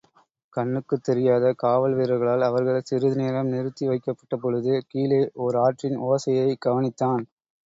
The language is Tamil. கண்ணுக்குத் தெரியாத காவல் வீரர்களால் அவர்கள் சிறிதுநேரம் நிறுத்தி வைக்கப்பட்டபொழுது, கீழே ஓர் ஆற்றின் ஓசையைக் கவனித்தான்.